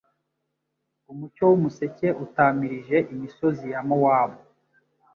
Umucyo w'umuseke, utamirije imisozi ya Mowabu,